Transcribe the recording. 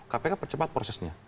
kpk percepat prosesnya